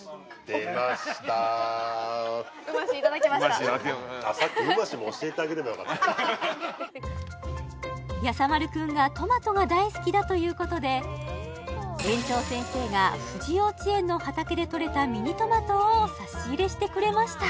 あっさっきやさ丸くんがトマトが大好きだということで園長先生がふじようちえんの畑でとれたミニトマトを差し入れしてくれました